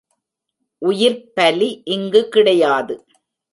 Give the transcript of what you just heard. உயிர்ப் பலி இங்குக் கிடையாது.